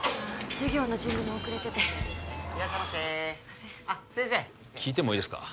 授業の準備も遅れてていらっしゃいませ聞いてもいいですか？